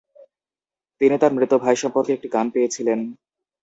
তিনি তার মৃত ভাই সম্পর্কে একটি গান পেয়েছিলেন।